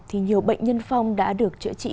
thì nhiều bệnh nhân phong đã được chữa trị